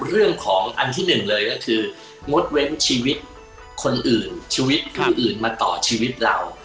เรื่องของอันที่หนึ่งเลยก็คืองดเว้นชีวิตคนอื่นชีวิตผู้อื่นมาต่อชีวิตเรา